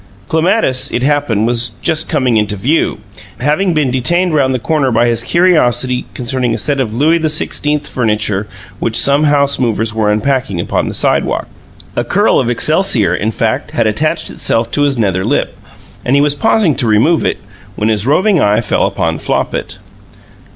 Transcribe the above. Clematis, it happened, was just coming into view, having been detained round the corner by his curiosity concerning a set of Louis XVI. furniture which some house movers were unpacking upon the sidewalk. A curl of excelsior, in fact, had attached itself to his nether lip, and he was pausing to remove it when his roving eye fell upon Flopit.